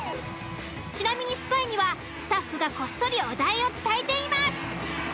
ちなみにスパイにはスタッフがこっそりお題を伝えています。